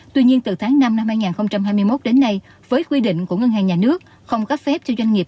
tuy nhiên từ tháng năm năm hai nghìn hai mươi một đến nay với quy định của ngân hàng nhà nước không cấp phép cho doanh nghiệp